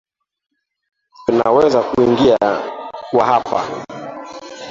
Tunaweza kuingia kwa hapa.